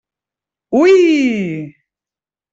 Ui!